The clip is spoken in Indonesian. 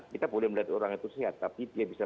kita boleh melihat orang itu sehat tapi dia bisa